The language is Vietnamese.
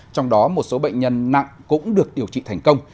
trong đó một số bệnh nhân nặng cũng được điều trị thành công